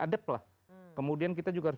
adab lah kemudian kita juga harus